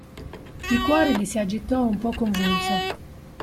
Il cuore gli si agitò un po' convulso.